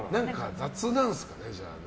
雑なんですかね。